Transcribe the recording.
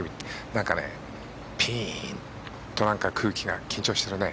なんか、ピーンと空気が緊張してるね。